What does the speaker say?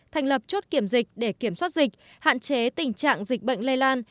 thành lập chốt kiểm dịch để kiểm soát dịch hạn chế tình trạng dịch bệnh lây lan